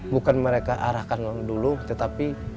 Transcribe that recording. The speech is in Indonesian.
bukan mereka arahkan dulu tetapi